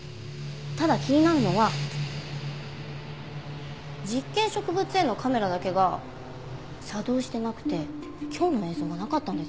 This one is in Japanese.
ただ気になるのは実験植物園のカメラだけが作動してなくて今日の映像がなかったんです。